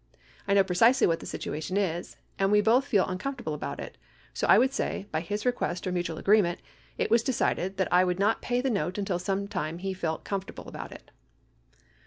I know precisely what the situation is, and we both feel uncomfortable about it. So I would say, by his request, or mutual agreement, it was decided that I would not pay the note until sometime he felt comfortable about it.